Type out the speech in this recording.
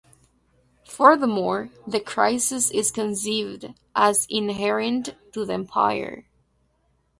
Furthermore, the crisis is conceived as inherent to the Empire.